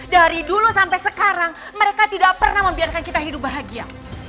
dari dulu sampai sekarang mereka tidak pernah membiarkan kita hidup bahagia